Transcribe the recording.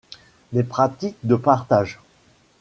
des pratiques de partage